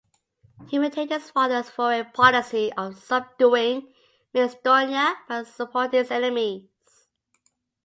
He maintained his father's foreign policy of subduing Macedonia by supporting its enemies.